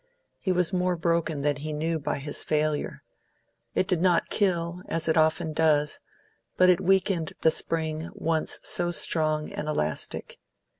He was more broken than he knew by his failure; it did not kill, as it often does, but it weakened the spring once so strong and elastic.